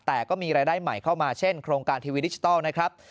แต่ก็มีรายได้ใหม่เข้ามาเช่นโครงการทีวีดิจิทัลนะครับ